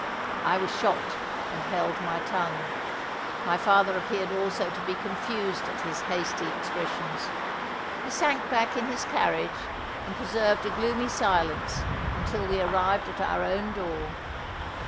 I was shocked and held my tongue. My father appeared also to be confused at his hasty expressions. He sank back in his carriage, and preserved a gloomy silence until we arrived at our own door.